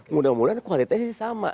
mudah mudahan kualitasnya sama